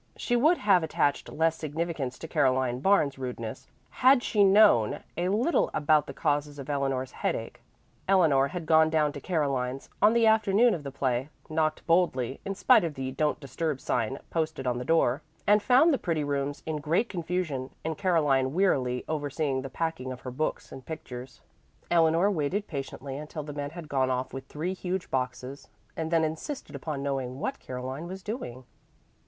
She would have attached less significance to Caroline Barnes's rudeness, had she known a little about the causes of Eleanor's headache. Eleanor had gone down to Caroline's on the afternoon of the play, knocked boldly, in spite of a "Don't disturb" sign posted on the door, and found the pretty rooms in great confusion and Caroline wearily overseeing the packing of her books and pictures. Eleanor waited patiently until the men had gone off with three huge boxes, and then insisted upon knowing what Caroline was doing.